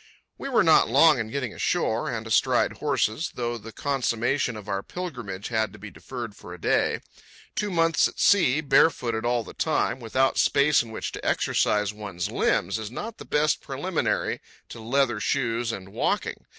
We were not long in getting ashore and astride horses, though the consummation of our pilgrimage had to be deferred for a day. Two months at sea, bare footed all the time, without space in which to exercise one's limbs, is not the best preliminary to leather shoes and walking.